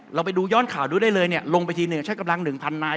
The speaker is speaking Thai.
เราไปดูย้อนข่าวดูได้เลยเนี่ยลงไปทีหนึ่งใช้กำลัง๑๐๐นาย